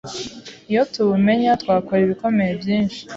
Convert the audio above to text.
Iyo tubumenya twakora ibikomeye byinshi